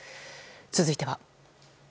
続いては。